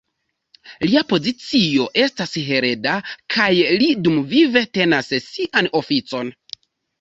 Lia pozicio estas hereda, kaj li dumvive tenas sian oficon.